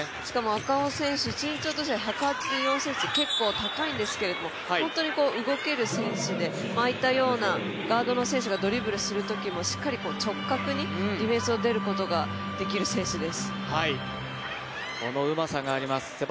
赤穂選手、身長としては１８４ｃｍと結構、高いんですけど本当に動ける選手でああいったようなガードの選手がドリブルするときもしっかり、直角にディフェンスを出ることができる選手です。